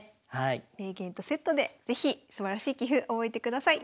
名言とセットで是非すばらしい棋譜覚えてください。